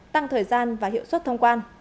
tăng thời gian và hiệu suất thông quan